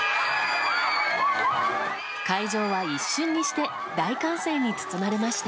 会場は一瞬にして大歓声に包まれました。